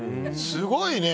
すごいね。